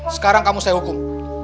sekarang kamu saya hukum